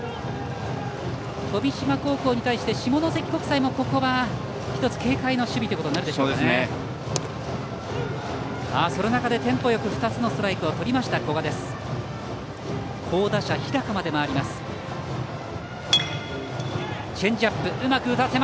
富島高校に対して下関国際もここは１つ警戒の守備ということになっていますね。